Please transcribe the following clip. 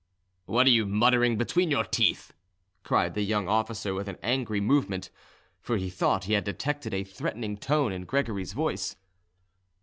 "What are you muttering between your teeth?" cried the young officer, with an angry movement; for he thought he had detected a threatening tone in Gregory's voice.